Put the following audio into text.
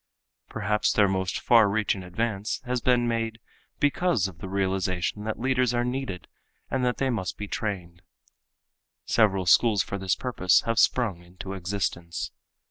Perhaps their most far reaching advance has been made because of the realization that leaders are needed and that they must be trained. Several schools for this purpose have sprung into existence.